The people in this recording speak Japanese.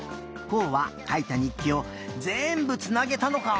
こうはかいた日記をぜんぶつなげたのか！